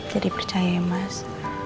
jadi percaya mas